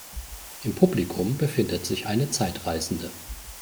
Im Publikum befindet sich eine Zeitreisende.